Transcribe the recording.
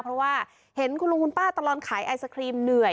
เพราะว่าเห็นคุณลุงคุณป้าตลอดขายไอศครีมเหนื่อย